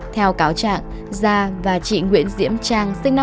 theo cáo trạng gia và chị nguyễn diễm trang sinh năm một nghìn chín trăm chín mươi tám